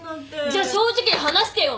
じゃあ正直に話してよ！